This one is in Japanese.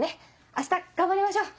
あした頑張りましょう！